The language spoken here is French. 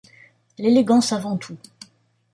L’élégance avant tout.